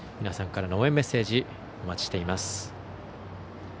皆さんからの応援メッセージお待ちしています。